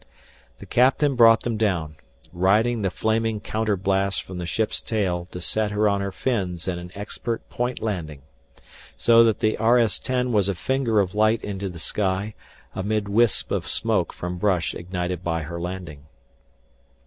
The captain brought them down, riding the flaming counter blasts from the ship's tail to set her on her fins in an expert point landing, so that the RS 10 was a finger of light into the sky, amid wisps of smoke from brush ignited by her landing.